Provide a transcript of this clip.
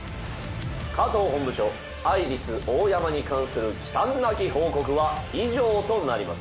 加藤本部長アイリスオーヤマに関する忌憚なき報告は以上となります。